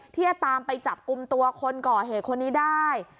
ที่จะตามไปจับกลุ่มตัวคนก่อเหตุคนนี้ได้